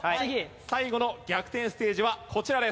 最後の逆転ステージはこちらです。